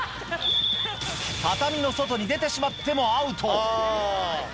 畳の外に出てしまってもアウト。